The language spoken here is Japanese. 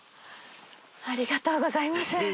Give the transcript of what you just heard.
ありがとうございます。